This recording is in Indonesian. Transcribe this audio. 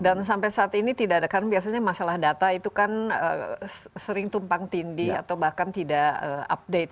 dan sampai saat ini tidak ada kan biasanya masalah data itu kan sering tumpang tindih atau bahkan tidak update